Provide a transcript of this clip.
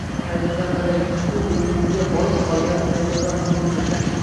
ayrimlar paykalning huv etagiga borib qolgan, ayrimlar bu burchakda.